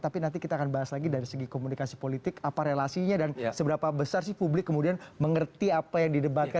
tapi nanti kita akan bahas lagi dari segi komunikasi politik apa relasinya dan seberapa besar sih publik kemudian mengerti apa yang didebatkan